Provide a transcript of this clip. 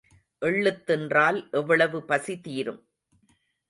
எள்ளுத் தின்றால் எள்ளளவு பசி தீரும்.